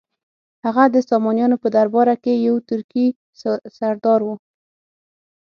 هغه د سامانیانو په درباره کې یو ترکي سردار و.